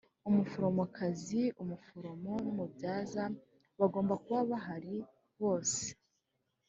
Umuforomokazi, umuforomo n umubyaza bagomba kuba bahari bose